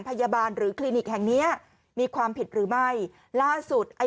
พยาบาลหรือคลินิกแห่งเนี้ยมีความผิดหรือไม่ล่าสุดไอ้